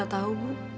saya sudah berhenti